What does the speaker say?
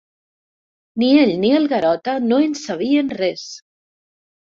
Ni ell ni el Garota no en sabien res.